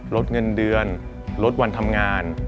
ลดเงินเดือนลดวันทำงาน